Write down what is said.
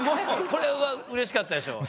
これはうれしかったでしょう？